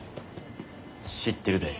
知ってるで。